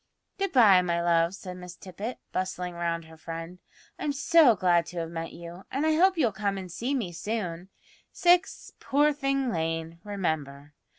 "Good bye, my love," said Miss Tippet, bustling round her friend. "I'm so glad to have met you, and I hope you'll come and see me soon; 6 Poor thing Lane, remember.